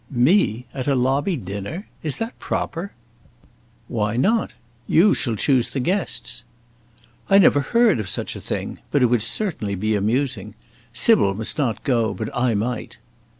"Me! at a lobby dinner! Is that proper?" "Why not? You shall choose the guests." "I never heard of such a thing; but it would certainly be amusing. Sybil must not go, but I might."